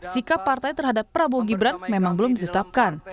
sikap partai terhadap prabowo gibran memang belum ditetapkan